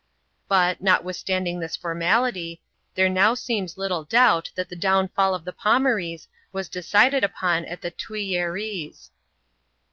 But, notwithstanding this for suility, there now seems little doubt that the downfall of the Pomarees was decided upon at the Tuilleries.